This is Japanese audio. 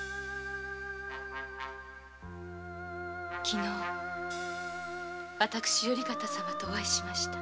昨日私頼方様とお会いしました。